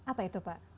apa itu pak